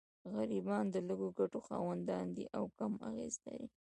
غریبان د لږو ګټو خاوندان دي او کم اغېز لري.